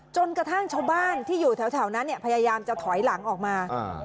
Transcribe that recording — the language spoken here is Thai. จนกระทั่งชาวบ้านที่อยู่แถวนั้นเนี่ยพยายามจะถอยหลังออกมา